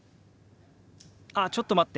「ああちょっと待って。